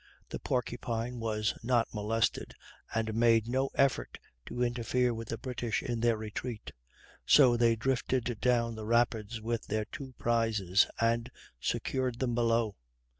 The Porcupine was not molested, and made no effort to interfere with the British in their retreat; so they drifted down the rapids with their two prizes and secured them below.